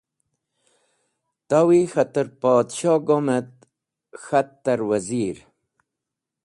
Tawi k̃hater Podshoh go’m et k̃hat ta’r wazir.